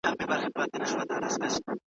تر غرمي پوري یې وکړله تاختونه ,